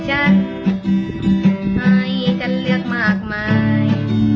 ฉันให้ฉันเลือกมากมาย